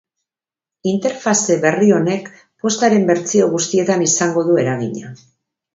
Interfaze berri honek postaren bertsio guztietan izango du eragina.